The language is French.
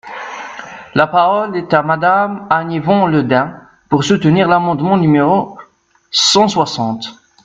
La parole est à Madame Anne-Yvonne Le Dain, pour soutenir l’amendement numéro cent soixante.